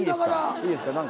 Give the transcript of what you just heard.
いいですか何か。